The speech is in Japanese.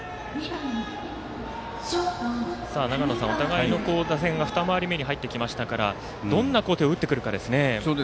長野さん、お互いの打線が２回り目に入ってきましたからどんなところを打ってくるかですね。